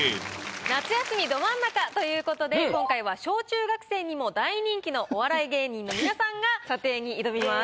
夏休みど真ん中ということで今回は小中学生にも大人気のお笑い芸人の皆さんが査定に挑みます。